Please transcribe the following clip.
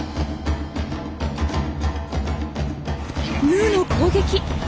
ヌーの攻撃！